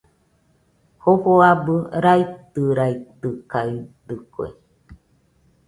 Jofo abɨ raitɨraitɨkaɨdɨkue.